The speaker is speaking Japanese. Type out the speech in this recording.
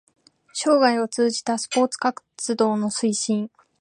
生涯を通じたスポーツ活動の推進